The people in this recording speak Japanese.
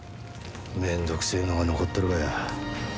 めんどくせえのが残っとるがや。